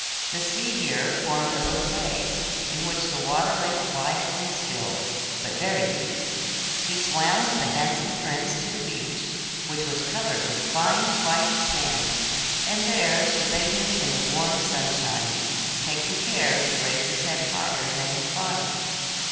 The sea here formed a little bay, in which the water lay quiet and still, but very deep. She swam with the handsome prince to the beach, which was covered with fine white sand, and there she laid him in the warm sunshine, taking care to raise his head higher than his body.